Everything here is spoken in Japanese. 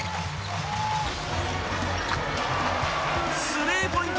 スリーポイント